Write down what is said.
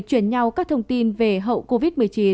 chuyển nhau các thông tin về hậu covid một mươi chín